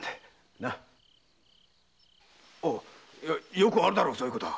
よくあるだろそういうことは。